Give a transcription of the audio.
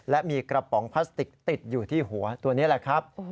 และมีกระป๋องพลาสติกติดอยู่ที่หัวตัวนี้แหละครับ